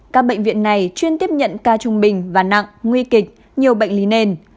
các bệnh viện này chuyên tiếp nhận ca trung bình và nặng nguy kịch nhiều bệnh lý nền